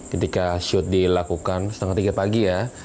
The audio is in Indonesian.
ketika shoot dilakukan setengah tiga pagi ya